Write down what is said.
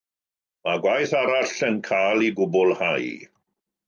Mae gwaith arall yn cael ei gwblhau.